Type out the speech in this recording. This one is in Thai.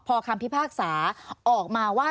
พอคำพิพากษาออกมาว่า